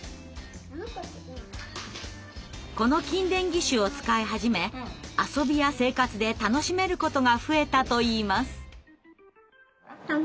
この筋電義手を使い始め遊びや生活で楽しめることが増えたといいます。